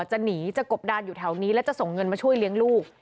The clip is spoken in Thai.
จะหนีจะกบดานอยู่แถวนี้แล้วจะส่งเงินมาช่วยเลี้ยงลูก